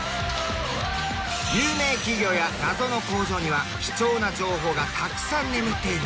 有名企業や謎の工場には貴重な情報がたくさん眠っている。